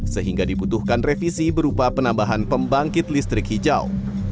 sehingga dibutuhkan revisi berupa penambahan pembangkit listrik hijau